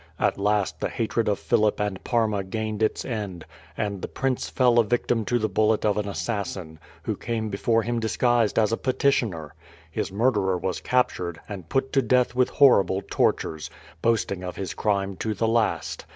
At last the hatred of Philip and Parma gained its end, and the prince fell a victim to the bullet of an assassin, who came before him disguised as a petitioner. His murderer was captured, and put to death with horrible tortures, boasting of his crime to the last.